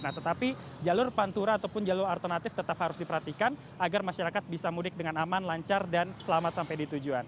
nah tetapi jalur pantura ataupun jalur alternatif tetap harus diperhatikan agar masyarakat bisa mudik dengan aman lancar dan selamat sampai di tujuan